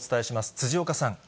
辻岡さん。